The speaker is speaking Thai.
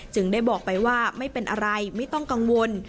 ได้บอกไปว่าไม่เป็นอะไรไม่ต้องกังวล